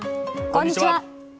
こんにちは。